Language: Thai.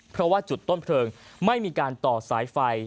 เพราะว่าจุดต้นเพลิงไม่มีการต่อสายไฟ